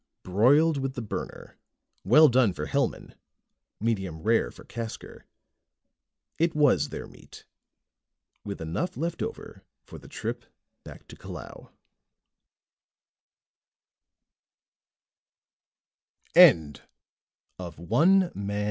Broiled with the burner well done for Hellman, medium rare for Casker it was their meat, with enough left over for the trip back to Calao.